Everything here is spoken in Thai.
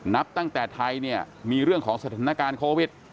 นับตั้งแต่ไทยเนี่ยมีเรื่องของสถานการณ์โควิด